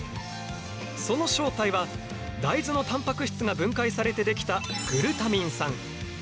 その正体は大豆のたんぱく質が分解されて出来たグルタミン酸。